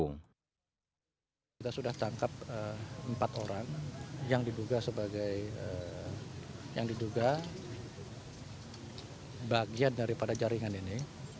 kita sudah tangkap empat orang yang diduga sebagai yang diduga bagian daripada jaringan ini